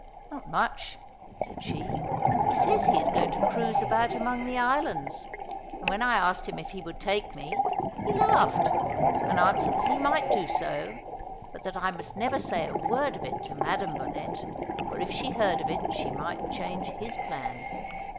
"Not much," said she. "He says he is going to cruise about among the islands, and when I asked him if he would take me, he laughed, and answered that he might do so, but that I must never say a word of it to Madam Bonnet, for if she heard of it she might change his plans."